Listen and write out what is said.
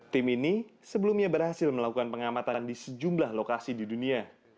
tim ini sebelumnya berhasil melakukan pengamatan di sejumlah lokasi di dunia